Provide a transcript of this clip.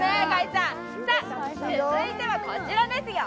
さ、続いてはこちらですよ。